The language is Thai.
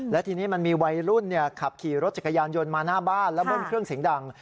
และทีนี้มันมีวัยรุ่นขับขี่รถจักรยานยนต์มาหน้าบ้านแล้วเบิ้ลเครื่องเสียงดัง